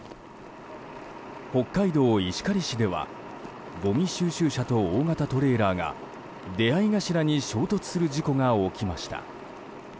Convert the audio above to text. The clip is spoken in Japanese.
北海道石狩市ではごみ収集車と大型トレーラーが出会い頭に衝突する事故が起きました。